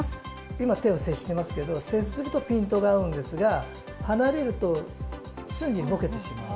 今、手を接してますけれども、接するとピントが合うんですが、離れると瞬時にぼけてしまう。